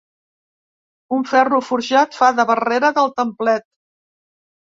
Un ferro forjat fa de barrera del templet.